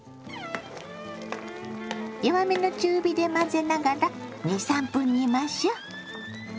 弱めの中火で混ぜながら２３分煮ましょ。